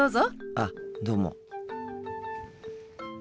あっどうも。